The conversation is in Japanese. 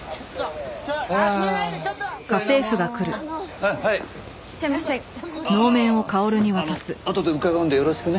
あのあとで伺うんでよろしくね。